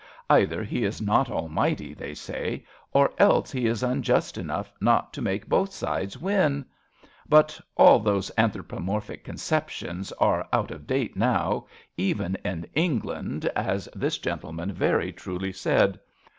Either He is not almighty, they say, or else He is unjust enough not to make both sides win. But all those anthropomorphic conceptions are out of date now, even in England, as this 23 RADA gentleman very truly said.